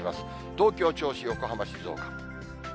東京、銚子、横浜、静岡。